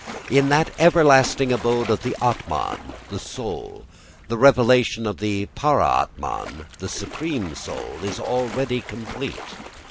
In that everlasting abode of the ātaman, the soul, the revelation of the paramātman, the supreme soul, is already complete.